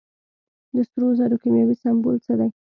د سرو زرو کیمیاوي سمبول څه دی.